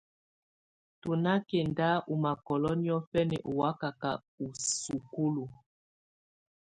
Tù nà kɛnda ù makɔlɔ niɔfɛna ɔ wakaka ù sukulu.